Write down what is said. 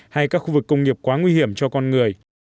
hay các khu vực công nghiệp quá nguy hiểm cho con người